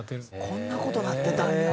こんな事なってたんや。